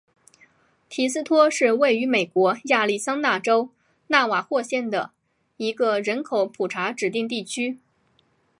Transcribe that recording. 提斯托是位于美国亚利桑那州纳瓦霍县的一个人口普查指定地区。